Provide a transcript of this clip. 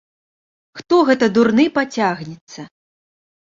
Хто гэта дурны пацягнецца!